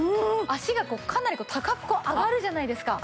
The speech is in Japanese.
脚がこうかなり高く上がるじゃないですか。